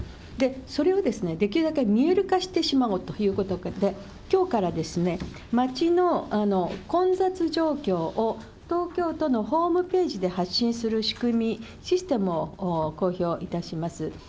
それをできるだけ見える化してしまおうということで、きょうからですね、街の混雑状況を東京都のホームページで発信する仕組み、システムを公表いたします。